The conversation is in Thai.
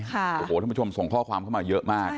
ท่านผู้ชมส่งข้อความเข้ามาเยอะมาก